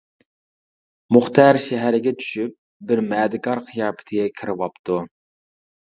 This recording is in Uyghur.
مۇختەر شەھەرگە چۈشۈپ، بىر مەدىكار قىياپىتىگە كىرىۋاپتۇ.